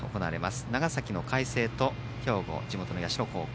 長崎の海星と兵庫、社高校。